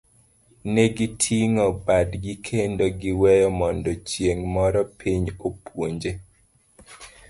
Negi ting'o badgi kendo giweye mondo chieng' moro piny opuonje.